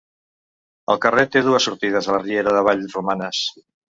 El carrer té dues sortides a la riera de Vallromanes.